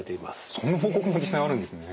そんな報告も実際あるんですね。